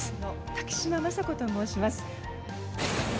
滝島雅子と申します。